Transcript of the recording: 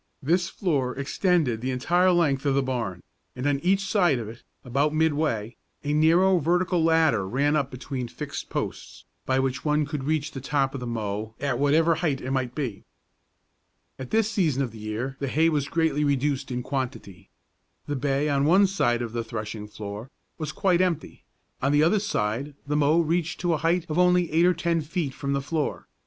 This floor extended the entire length of the barn, and on each side of it, about midway, a narrow vertical ladder ran up between fixed posts, by which one could reach the top of the mow at whatever height it might be. At this season of the year the hay was greatly reduced in quantity. The bay on one side of the threshing floor, was quite empty; on the other side the mow reached to a height of only eight or ten feet from the floor.